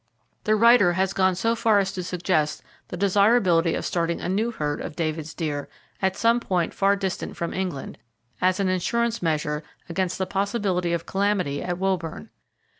The writer has gone so far as to suggest the desirability of starting a new herd of David's deer, at some point far distant from England, as an insurance measure against the possibility of calamity at Woburn.